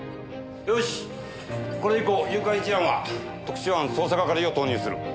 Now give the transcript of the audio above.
よしこれ以降誘拐事案は特殊班捜査係を投入する。